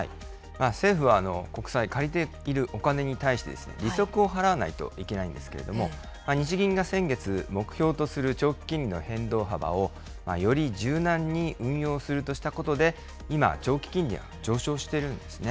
政府は国債、借りているお金に対して、利息を払わないといけないんですけれども、日銀が先月、目標とする長期金利の変動幅を、より柔軟に運用するとしたことで今、長期金利が上昇しているんですね。